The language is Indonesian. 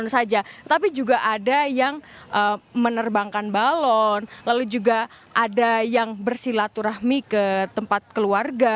saja tapi juga ada yang menerbangkan balon lalu juga ada yang bersilaturahmi ke tempat keluarga